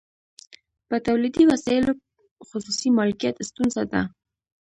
په تولیدي وسایلو خصوصي مالکیت ستونزه ده